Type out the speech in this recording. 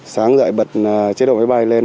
sáng dậy bật chế độ máy bay lên